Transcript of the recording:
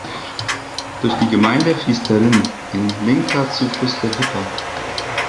Durch die Gemeinde fließt der Rhin, ein linker Zufluss der Wipper.